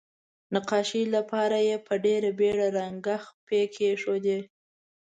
نقاشۍ لپاره یې په ډیره بیړه رنګه خپې کیښودې.